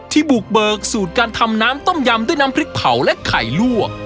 บุกเบิกสูตรการทำน้ำต้มยำด้วยน้ำพริกเผาและไข่ลวก